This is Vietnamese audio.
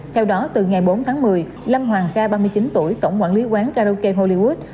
theo đó từ ngày bốn tháng một mươi lâm hoàng ga ba mươi chín tuổi tổng quản lý quán karaoke hollywood